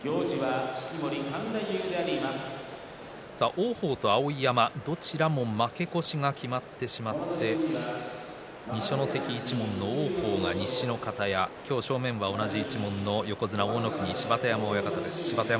王鵬と碧山どちらも負け越しが決まってしまって二所ノ関一門の王鵬が西の方屋正面は同じ一門の横綱大乃国芝田山親方です。